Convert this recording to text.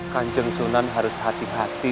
kan jengsunan harus hati hati